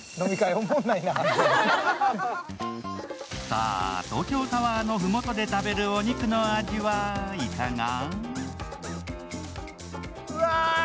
さあ、東京タワーの麓で食べるお肉の味はいかが？